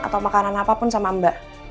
atau makanan apapun sama mbak